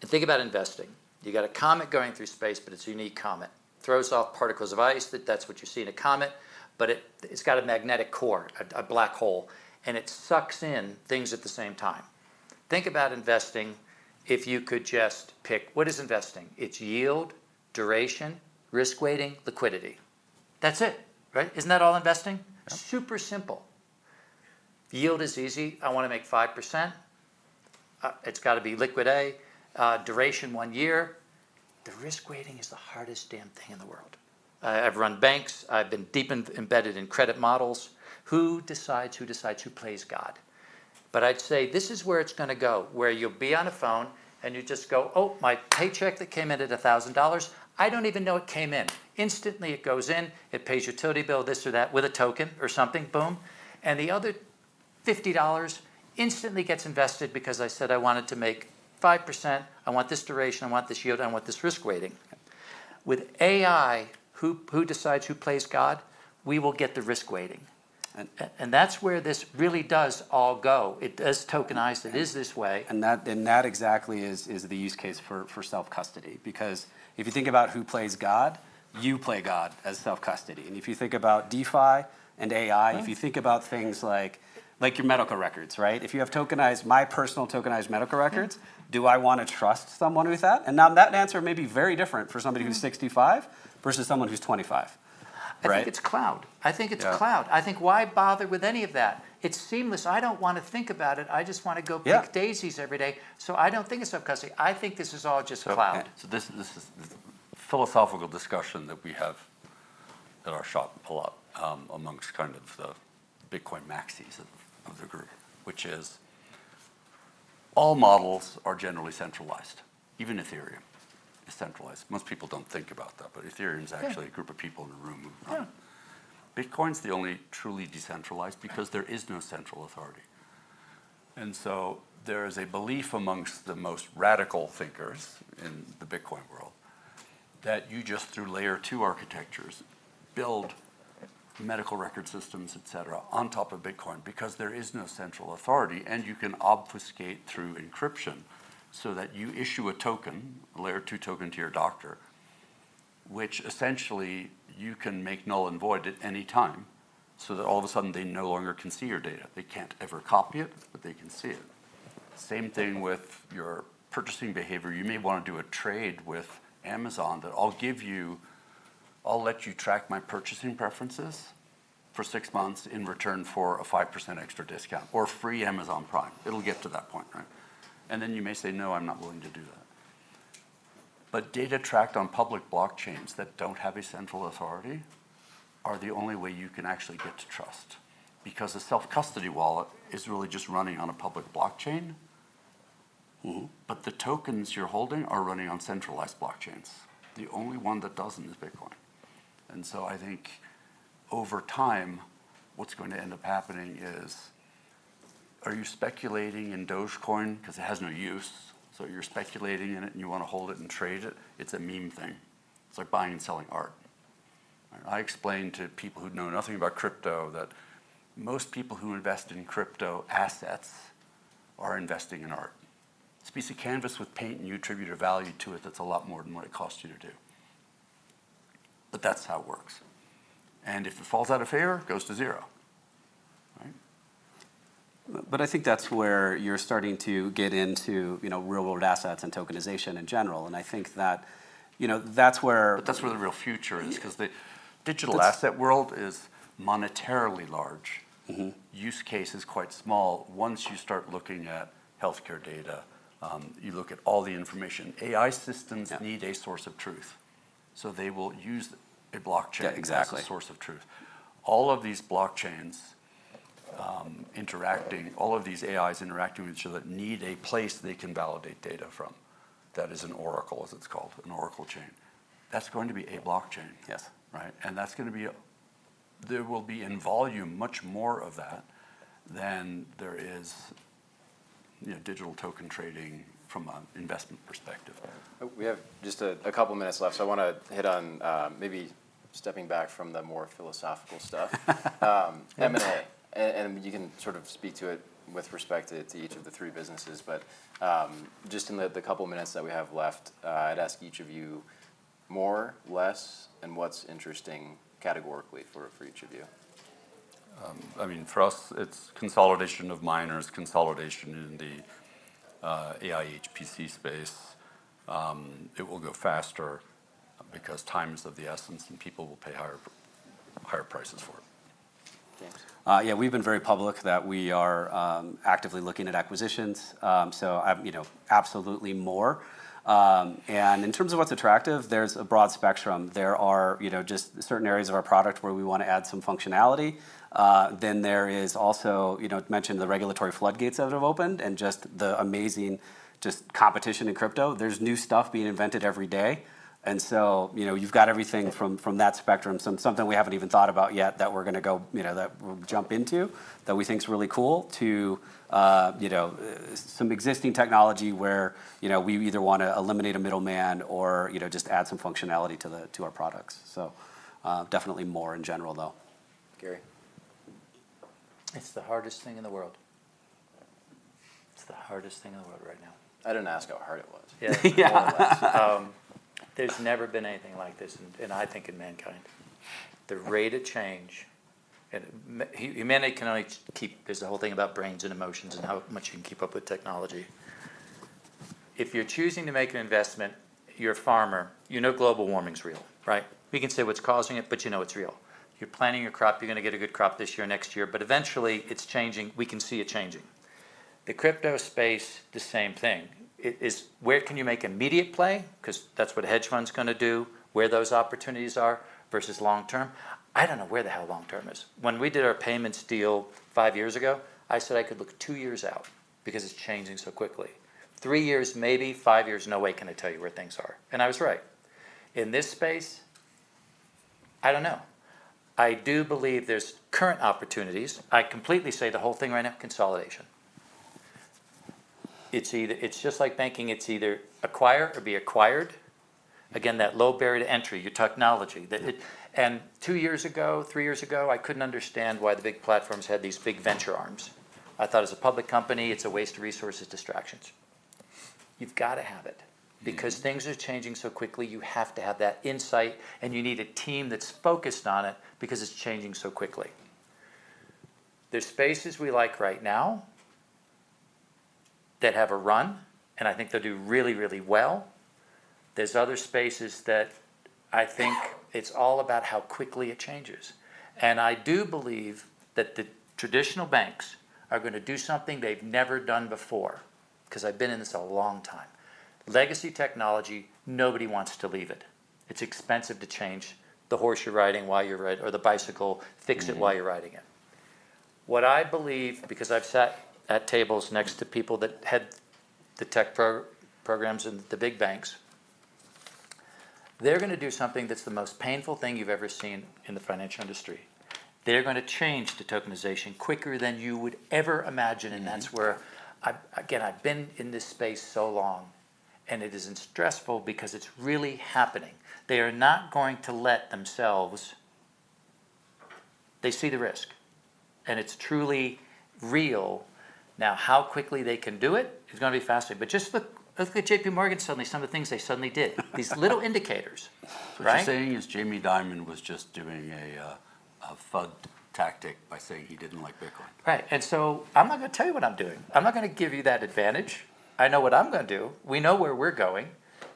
Think about investing. You got a comet going through space, but it's a unique comet. Throws off particles of ice. That's what you see in a comet, but it's got a magnetic core, a black hole, and it sucks in things at the same time. Think about investing. If you could just pick what is investing, it's yield, duration, risk weighting, liquidity. That's it. Right? Isn't that all investing? Super simple. Yield is easy. I want to make 5%. It's got to be liquid A, duration one year. The risk weighting is the hardest damn thing in the world. I've run banks. I've been deep embedded in credit models. Who decides? Who decides? Who plays God? I’d say this is where it’s going to go, where you’ll be on a phone and you just go, oh, my paycheck that came in at $1,000, I don’t even know it came in. Instantly, it goes in, it pays utility bill, this or that with a token or something, boom. The other $50 instantly gets invested because I said I wanted to make 5%. I want this duration. I want this yield. I want this risk weighting. With AI, who decides? Who plays God? We will get the risk weighting. That’s where this really does all go. It does tokenize. It is this way. That exactly is the use case for self-custody. If you think about who plays God, you play God as self-custody. If you think about DeFi and AI, if you think about things like your medical records, right? If you have tokenized, my personal tokenized medical records, do I want to trust someone with that? That answer may be very different for somebody who's 65 versus someone who's 25. I think it's cloud. I think it's cloud. I think why bother with any of that? It's seamless. I don't want to think about it. I just want to go pick daisies every day. I don't think it's self-custody. I think this is all just a cloud. This is a philosophical discussion that we have at our shop a lot amongst kind of the Bitcoin maxis of the group, which is all models are generally centralized. Even Ethereum is centralized. Most people don't think about that, but Ethereum is actually a group of people in a room. Bitcoin is the only truly decentralized because there is no central authority. There is a belief amongst the most radical thinkers in the Bitcoin world that you just, through layer two architectures, build medical record systems, et cetera, on top of Bitcoin because there is no central authority and you can obfuscate through encryption so that you issue a token, a layer two token to your doctor, which essentially you can make null and void at any time so that all of a sudden they no longer can see your data. They can't ever copy it, but they can see it. Same thing with your purchasing behavior. You may want to do a trade with Amazon that I'll give you, I'll let you track my purchasing preferences for six months in return for a 5% extra discount or free Amazon Prime. It'll get to that point, right? You may say, no, I'm not willing to do that. Data tracked on public blockchains that don't have a central authority are the only way you can actually get to trust because a self-custody wallet is really just running on a public blockchain, but the tokens you're holding are running on centralized blockchains. The only one that doesn't is Bitcoin. I think over time, what's going to end up happening is are you speculating in Dogecoin because it has no use, so you're speculating in it and you want to hold it and trade it? It's a meme thing. It's like buying and selling art. I explain to people who know nothing about crypto that most people who invest in crypto assets are investing in art. It's a piece of canvas with paint and you attribute a value to it that's a lot more than what it costs you to do. That's how it works. If it falls out of favor, it goes to zero. I think that's where you're starting to get into real world assets and tokenization in general. I think that, you know, that's where. That's where the real future is because the digital asset world is monetarily large. Use case is quite small. Once you start looking at healthcare data, you look at all the information. AI systems need a source of truth. They will use a blockchain as a source of truth. All of these blockchains interacting, all of these AIs interacting with each other need a place they can validate data from. That is an oracle, as it's called, an oracle chain. That is going to be a blockchain, right? That is going to be, there will be in volume much more of that than there is, you know, digital token trading from an investment perspective. We have just a couple of minutes left. I want to hit on maybe stepping back from the more philosophical stuff. You can sort of speak to it with respect to each of the three businesses, but just in the couple of minutes that we have left, I'd ask each of you more, less, and what's interesting categorically for each of you. I mean, for us, it's consolidation of miners, consolidation in the AI HPC space. It will go faster because time is of the essence, and people will pay higher prices for it. Yeah, we've been very public that we are actively looking at acquisitions. Absolutely more. In terms of what's attractive, there's a broad spectrum. There are just certain areas of our product where we want to add some functionality. There is also the regulatory floodgates that have opened and just the amazing competition in crypto. There's new stuff being invented every day. You've got everything from that spectrum, something we haven't even thought about yet that we're going to jump into that we think is really cool, to some existing technology where we either want to eliminate a middleman or just add some functionality to our products. Definitely more in general though. Gary. It's the hardest thing in the world right now. I didn't ask how hard it was. Yeah. There's never been anything like this. I think in mankind, the rate of change, and humanity can only keep, there's a whole thing about brains and emotions and how much you can keep up with technology. If you're choosing to make an investment, you're a farmer, you know, global warming is real, right? We can say what's causing it, but you know it's real. You're planning your crop. You're going to get a good crop this year, next year, but eventually it's changing. We can see it changing. The crypto space, the same thing. It is where can you make immediate play? That's what hedge funds are going to do, where those opportunities are versus long term. I don't know where the hell long term is. When we did our payments deal five years ago, I said I could look two years out because it's changing so quickly. Three years, maybe five years, no way can I tell you where things are. I was right. In this space, I don't know. I do believe there's current opportunities. I completely say the whole thing right now, consolidation. It's either, it's just like banking. It's either acquire or be acquired. That low barrier to entry, your technology. Two years ago, three years ago, I couldn't understand why the big platforms had these big venture arms. I thought it was a public company. It's a waste of resources, distractions. You've got to have it because things are changing so quickly. You have to have that insight and you need a team that's focused on it because it's changing so quickly. There are spaces we like right now that have a run and I think they'll do really, really well. There are other spaces that I think it's all about how quickly it changes. I do believe that the traditional banks are going to do something they've never done before because I've been in this a long time. Legacy technology, nobody wants to leave it. It's expensive to change the horse you're riding while you're riding or the bicycle. Fix it while you're riding it. What I believe, because I've sat at tables next to people that had the tech programs and the big banks, they're going to do something that's the most painful thing you've ever seen in the financial industry. They're going to change to tokenization quicker than you would ever imagine. That's where, again, I've been in this space so long and it is stressful because it's really happening. They are not going to let themselves. They see the risk and it's truly real. Now, how quickly they can do it is going to be fascinating. Just look at JPMorgan suddenly, some of the things they suddenly did, these little indicators. Right. The thing is Jamie Dimon was just doing a fud tactic by saying he didn't like Bitcoin. Right. I'm not going to tell you what I'm doing. I'm not going to give you that advantage. I know what I'm going to do. We know where we're going.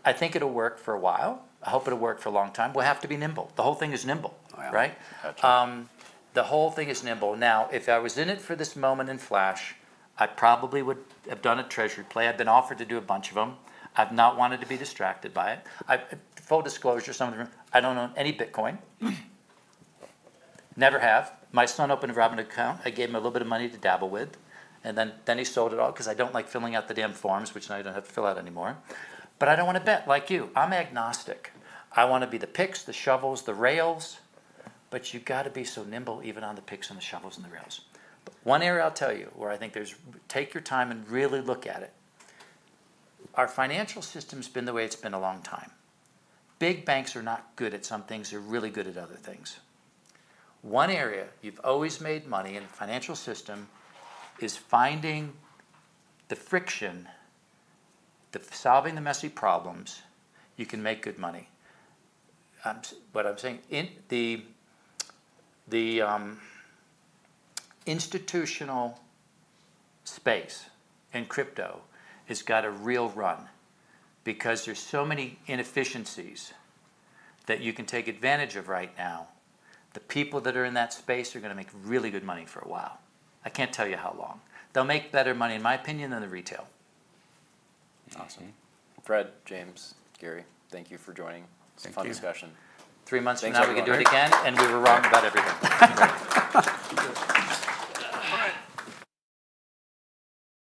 I think it'll work for a while. I hope it'll work for a long time. We'll have to be nimble. The whole thing is nimble, right? The whole thing is nimble. If I was in it for this moment in flash, I probably would have done a treasury play. I've been offered to do a bunch of them. I've not wanted to be distracted by it. Full disclosure, some of them, I don't own any Bitcoin. Never have. My son opened a Robinhood account. I gave him a little bit of money to dabble with. He sold it all because I don't like filling out the damn forms, which I don't have to fill out anymore. I don't want to bet like you. I'm agnostic. I want to be the picks, the shovels, the rails. You've got to be so nimble even on the picks and the shovels and the rails. One area I'll tell you where I think there's, take your time and really look at it. Our financial system's been the way it's been a long time. Big banks are not good at some things. They're really good at other things. One area you've always made money in the financial system is finding the friction, solving the messy problems. You can make good money. What I'm saying is the institutional space and crypto has got a real run because there's so many inefficiencies that you can take advantage of right now. The people that are in that space are going to make really good money for a while. I can't tell you how long. They'll make better money, in my opinion, than the retail. Awesome. Fred, James, Gary, thank you for joining. It's a fun discussion. Three months from now we can do it again, and we were wrong about everything.